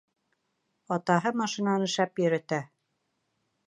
Атаһы машинаны шәп йөрөтә.